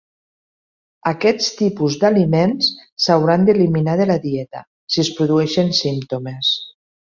Aquest tipus d'aliments s'hauran d'eliminar de la dieta si es produeixen símptomes.